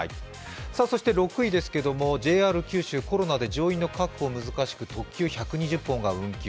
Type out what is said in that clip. そして６位ですけれども、ＪＲ九州、コロナで乗員の確保が難しく特急１２０本が運休。